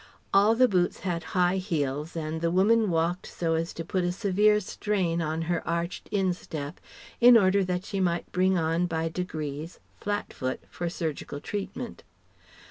All the boots had high heels and the woman walked so as to put a severe strain on her arched instep in order that she might bring on by degrees "flat foot" for surgical treatment.